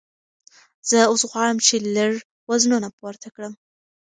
زه اوس غواړم چې لږ وزنونه پورته کړم.